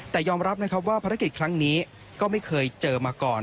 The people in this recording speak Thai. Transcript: แต่ยอมรับนะครับว่าภารกิจครั้งนี้ก็ไม่เคยเจอมาก่อน